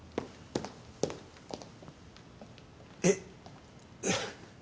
えっ。